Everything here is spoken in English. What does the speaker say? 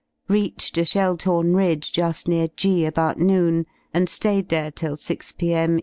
Reached a shell torn ridge ju^ near G about noon, and ^ayed there till 6 p.m.